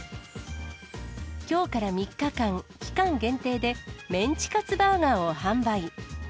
きょうから３日間、期間限定で、メンチカツバーガーを販売。